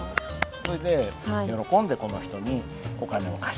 それで喜んでこの人にお金を貸してあげた。